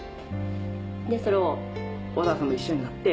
でそれを恒太朗さんも一緒になって。